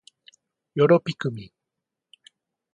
よろぴくみん